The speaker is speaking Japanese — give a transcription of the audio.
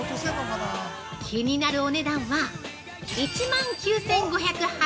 気になるお値段は１万９５８０円。